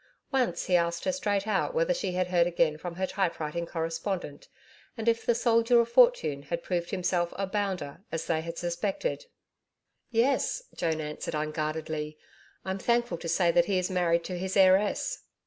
Once, he asked her straight out whether she had heard again from her typewriting correspondent, and if the Soldier of Fortune had proved himself a Bounder, as they had suspected? 'Yes,' Joan answered unguardedly. 'I'm thankful to say that he is married to his heiress.'